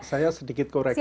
saya sedikit koreksi